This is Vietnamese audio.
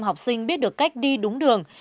học sinh biết được cách đi đúng đường